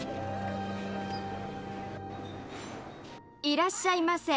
いらっしゃいませ。